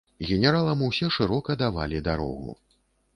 Генералам усе шырока давалі дарогу.